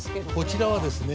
こちらはですね